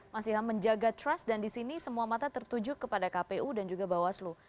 masih menjaga trust dan di sini semua mata tertuju kepada kpu dan juga bawaslu